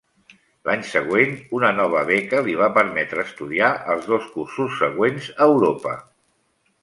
L'any següent, una nova beca li va permetre estudiar els dos cursos següents a Europa.